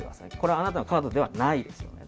これはあなたのカードではないですよね。